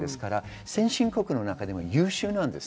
先進国の中でも優秀です。